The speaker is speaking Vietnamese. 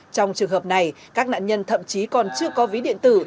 trong trường hợp này các nạn nhân thậm chí còn chưa có ví điện tử